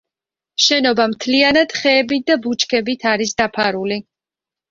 შენობა მთლიანად ხეებით და ბუჩქებით არის დაფარული.